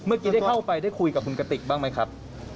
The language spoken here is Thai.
เมื่อกี้ได้เข้าไปได้คุยกับคุณกติกบ้างไหมครับ